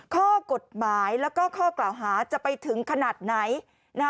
ข้อกฎหมายแล้วก็ข้อกล่าวหาจะไปถึงขนาดไหน